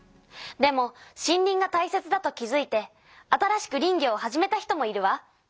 でも森林がたいせつだと気づいて新しく林業を始めた人もいるわ。